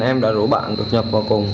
em đã rủ bạn đột nhập vào cùng